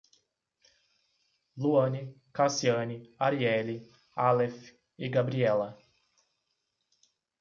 Luane, Cassiane, Ariele, Alef e Gabriella